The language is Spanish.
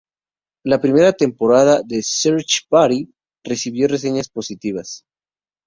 La primera temporada de "Search Party" recibió reseñas positivas.